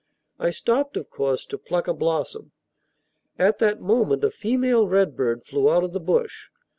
I stopped, of course, to pluck a blossom. At that moment a female redbird flew out of the bush.